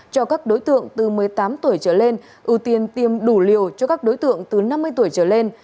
cho các đối tượng từ một mươi tám tuổi trở lên ưu tiên tiêm đủ liều cho các đối tượng từ năm mươi tuổi trở lên